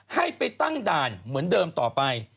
ให้ไปตั้งด่านเหมือนเดิมต่อไป